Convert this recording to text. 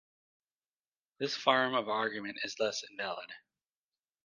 This form of argument is thus invalid.